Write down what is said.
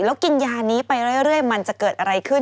แล้วกินยานี้ไปเรื่อยมันจะเกิดอะไรขึ้น